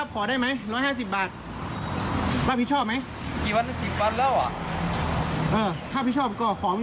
เพราะว่ามันใหม่อยู่